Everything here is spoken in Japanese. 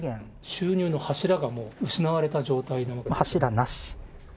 収入の柱が失われた状態なわ柱なし。